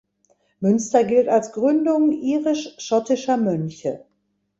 Münster gilt als Gründung irisch-schottischer Mönche.